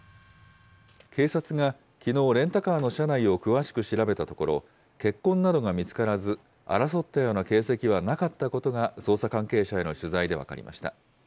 警察がきのうレンタカーの車内を詳しく調べたところ、血痕などが見つからず、争ったような形跡はなかったことが捜査関係者への取材で分かりました。